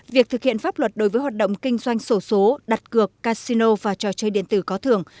việc thực hiện pháp luật đối với hoạt động kinh doanh sổ số đặt cược casino và trò chơi điện tử có thường